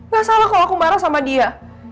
gak salah kalau aku marah sama dia